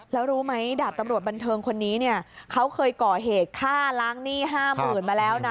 แล้วรู้ไหมดาบตำรวจบันเทิงคนนี้เนี่ยเขาเคยก่อเหตุฆ่าล้างหนี้๕๐๐๐มาแล้วนะ